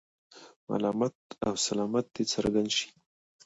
ملامت او سلامت دې څرګند شي.